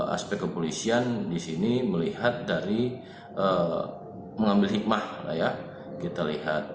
aspek kepolisian disini melihat dari mengambil hikmah